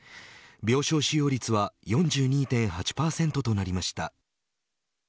病床使用率は４２．８％となりました。